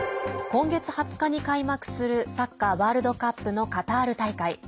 今月２０日に開幕するサッカーワールドカップのカタール大会。